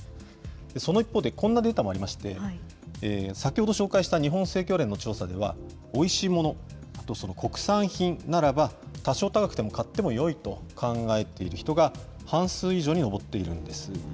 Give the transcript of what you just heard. その一方で、こんなデータもありまして、先ほど紹介した日本生協連の調査では、おいしいものと国産品ならば、多少高くても買ってもよいと考えている人が、半数以上に上っているんです。